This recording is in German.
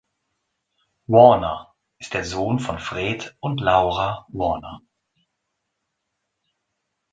Warner ist der Sohn von Fred und Laura Warner.